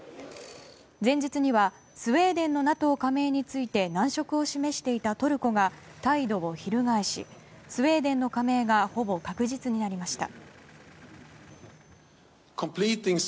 前日にはスウェーデンのＮＡＴＯ加盟について難色を示していたトルコが態度を翻しスウェーデンの加盟がほぼ確実になりました。